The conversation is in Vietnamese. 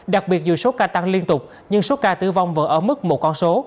đặc biệt dù số ca tăng liên tục nhưng số ca tử vong vẫn ở mức một con số